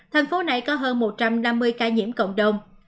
thành phố này có hơn một trăm năm mươi ca nhiễm cộng đồng